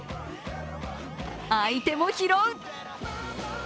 相手も拾う。